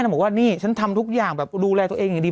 บอกว่านี่ฉันทำทุกอย่างแบบดูแลตัวเองอย่างดี